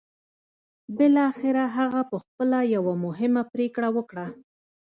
بالاخره هغه پخپله يوه مهمه پرېکړه وکړه.